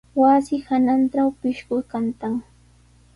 Wasi hanantraw pishqu kantan.